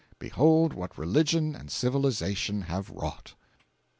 Behold what religion and civilization have wrought!